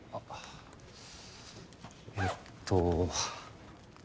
えっと。